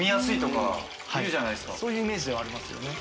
そういうイメージはありますよね。